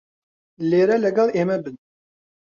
لێرە لەگەڵ ئێمە بن.